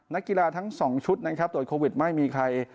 นักกีฬาทั้ง๒ชุดนะครับตรวจโควิดไม่มีใคร